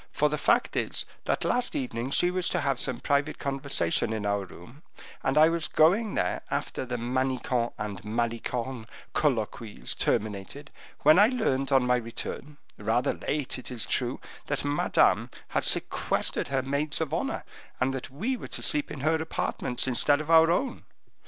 For, the fact is, that last evening she wished to have some private conversation in our room, and I was going there after the Manicamp and Malicorne colloquies terminated, when I learned, on my return, rather late, it is true, that Madame had sequestered her maids of honor, and that we were to sleep in her apartments, instead of our own.